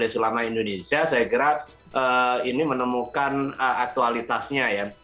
majelis ulama indonesia saya kira ini menemukan aktualitasnya ya